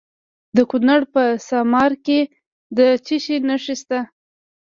د کونړ په اسمار کې د څه شي نښې دي؟